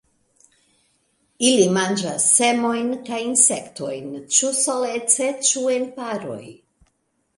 Ili manĝas semojn kaj insektojn ĉu solece ĉu en paroj.